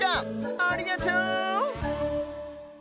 ありがとう！